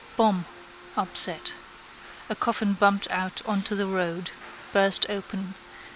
Bom! Upset. A coffin bumped out on to the road. Burst open.